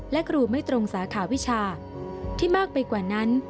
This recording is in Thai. และครูไม่ตรงสาขาวิชาที่มากไปกว่านั้น